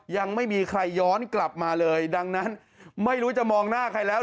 ยังไม่มีใครย้อนกลับมาเลยดังนั้นไม่รู้จะมองหน้าใครแล้ว